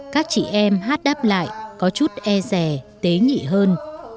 các chị em hát đáp lại có chút e rè tế nhị hơn